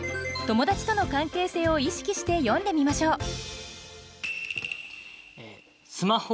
友達との関係性を意識して詠んでみましょう。